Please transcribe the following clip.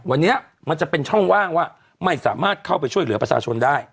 วันนี้มันจะเป็นช่องว่างว่าไม่สามารถเข้าไปช่วยเหลือประชาชนได้